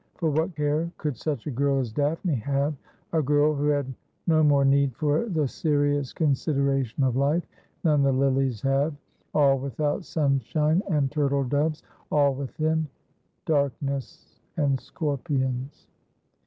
For what care could such a girl as Daphne have, a girl who had no more need for the serious consideration of life than the lilies have ? All without sunshine and turtle doves ; all within, darkness and scorpions.